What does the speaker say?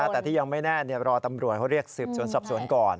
แต่ที่ยังไม่แน่รอตำรวจเขาเรียกสืบสวนสอบสวนก่อน